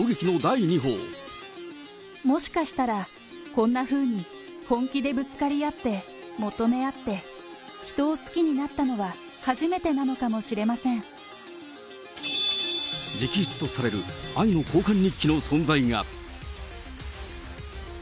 もしかしたらこんなふうに本気でぶつかり合って、求め合って、人を好きになったのは初めてなの直筆とされる愛の交換日記の存在が。